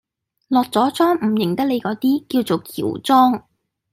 落咗妝唔認得你嗰啲，叫做喬裝